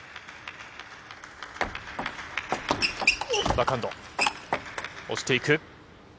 バックハンド、落ちていく。